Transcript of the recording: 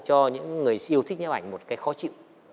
cho những người yêu thích nhãn bảnh một cái khó chịu